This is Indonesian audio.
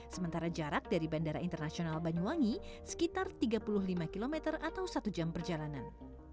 sementara jarak dari bandara internasional banyuwangi sekitar tiga puluh lima km atau satu jam perjalanan